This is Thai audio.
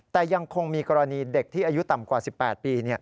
แต่ยังคงมีกรณีเด็กที่อายุต่ำกว่า๑๘ปี